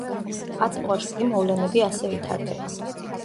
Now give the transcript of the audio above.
აწმყოში კი მოვლენები ასე ვითარდება.